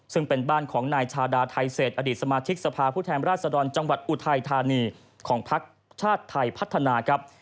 ซึ่งเป็นบ้านของนายชาดาไทเศษอดีตสมาชิกสภาพผู้แทนราชดรจังหวัดอุทัยธานีของพักชาติไทยพัฒนาครับ